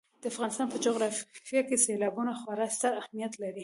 د افغانستان په جغرافیه کې سیلابونه خورا ستر اهمیت لري.